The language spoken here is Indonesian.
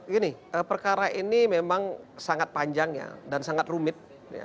gini perkara ini memang sangat panjang ya dan sangat rumit